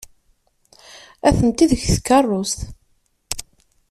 Atenti deg tkeṛṛust.